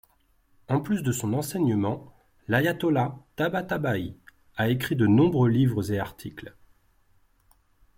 En plus de son enseignement, l'Ayatollah Tabataba'i a écrit de nombreux livres et articles.